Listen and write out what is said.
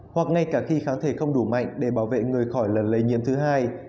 hoặc ngay cả khi kháng thể không đủ mạnh để bảo vệ người khỏi lần lây nhiễm thứ hai